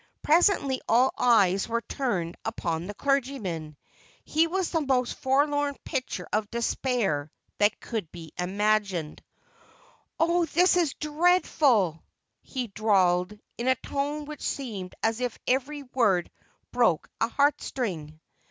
Presently all eyes were turned upon the clergyman. He was the most forlorn picture of despair that could be imagined. [Illustration: HALF SHAVED.] "Oh, this is dreadful!" he drawled, in a tone which seemed as if every word broke a heart string.